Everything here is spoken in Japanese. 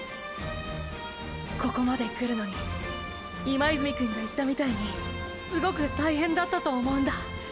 ここまで来るのに今泉くんが言ったみたいにすごく大変だったと思うんだ。